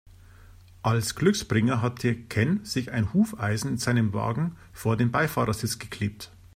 Als Glücksbringer hatte Ken sich ein Hufeisen in seinem Wagen vor den Beifahrersitz geklebt.